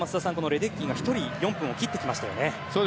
レデッキーが１人４分を切ってきましたね。